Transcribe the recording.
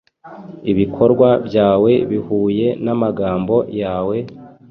Ibikorwa byawe bihuye namagambo yawe,